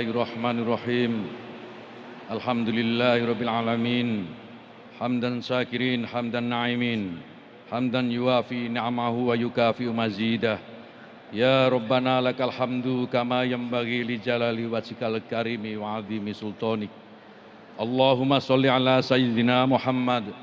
ya allah tuhan pemilik semesta